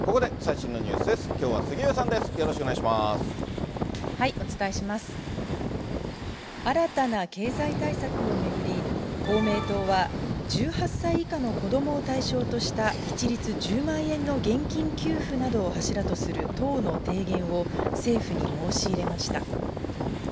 新たな経済対策を巡り、公明党は１８歳以下の子どもを対象とした一律１０万円の現金給付などを柱とする党の提言を、政府に申し入れました。